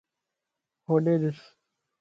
ھوڏي دِس